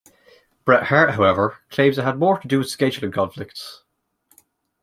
Bret Hart, however, claims it had more to do with scheduling conflicts.